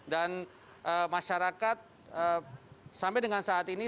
dan masyarakat sampai dengan saat ini